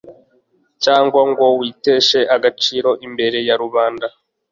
cyangwa ngo witeshe agaciro imbere ya rubanda